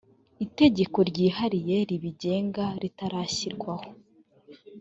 itegeko ryihariye ribigenga ritarashyirwaho